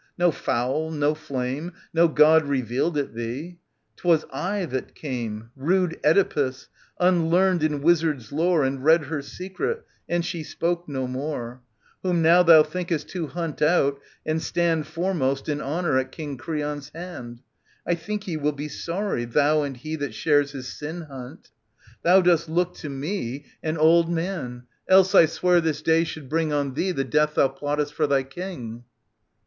No fowl, no flame. No God revealed it thee. 'Twas I that came. Rude Oedipus, unlearned in wizard's lore, •( And read her secret, and she spoke no more. ^„—* Whom now thou thinkcst to hunt out, and stand Foremost in honour at King Creon's hand. 1 think ye will be sorry, thou and he That shares thy sin hunt. Thou dost look to me 23 SOPHOCLES VT. 403 424 An old man ; else, I swear this day should bring On thee the death thou plottest for thy King.